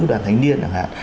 đoàn thanh niên đặc hạn